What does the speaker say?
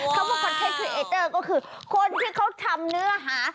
คำว่าคอนเทคคือเอเตอร์ก็คือคนที่เขาทำเนื้อหา